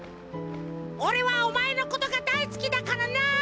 オレはおまえのことがだいすきだからな！